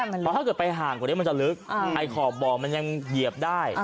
เพราะถ้าเกิดไปห่างกว่านี้มันจะลึกไอ้ขอบบ่อมันยังเหยียบได้